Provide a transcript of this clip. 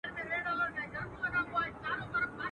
لا په اورونو کي تازه پاته ده.